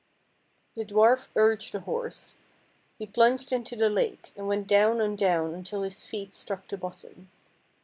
The dwarf urged the horse. He plunged into the lake, and went down and down until his feet struck the bottom.